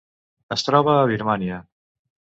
Es troba a Birmània.